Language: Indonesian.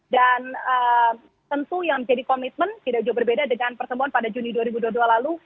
dan tentu yang jadi komitmen tidak jauh berbeda dengan pertemuan pada juni dua ribu dua puluh dua lalu